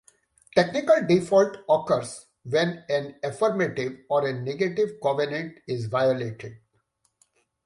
Technical default occurs when an affirmative or a negative covenant is violated.